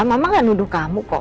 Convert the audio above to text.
mama gak nuduh kamu kok